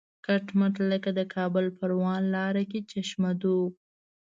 کټ مټ لکه د کابل پروان لاره کې چشمه دوغ.